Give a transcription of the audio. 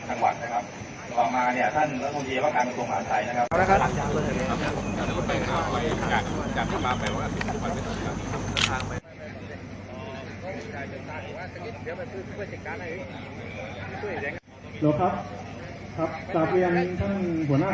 สวัสดีครับสวัสดีครับครับสาวเบียงทั้งหัวหน้า